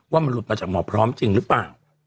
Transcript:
ว่ามันหลุดมาจากหมอพร้อมจริงหรือเปล่า